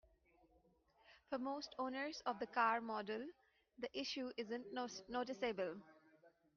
For most owners of the car model, the issue isn't noticeable.